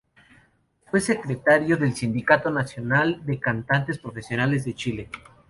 Fue secretaria del Sindicato Nacional de Cantantes Profesionales de Chile.